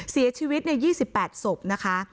เสียชีวิต๒๘ศพนะคะ